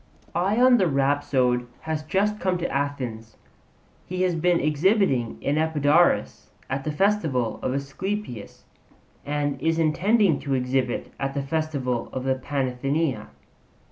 Ion the rhapsode has just come to Athens; he has been exhibiting in Epidaurus at the festival of Asclepius, and is intending to exhibit at the festival of the Panathenaea.